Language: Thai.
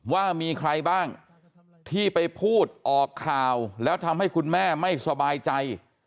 ว่ามีใครบ้างที่ไปพูดออกข่าวแล้วทำให้คุณแม่ไม่สบายใจ